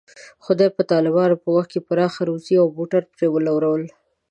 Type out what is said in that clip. خدای په طالبانو په وخت کې پراخه روزي او موټر پرې ولورول.